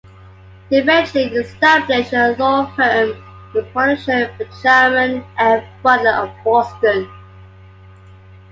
He eventually established a law firm with the politician Benjamin F. Butler of Boston.